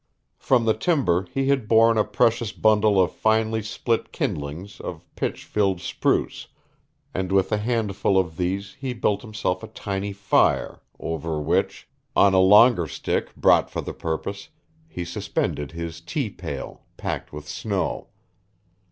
From the timber he had borne a precious bundle of finely split kindlings of pitch filled spruce, and with a handful of these he built himself a tiny fire over which, on a longer stick brought for the purpose, he suspended his tea pail, packed with snow.